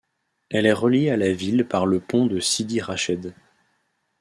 Elle est reliée à la ville par le pont de Sidi Rached.